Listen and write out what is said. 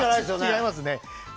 違いますね。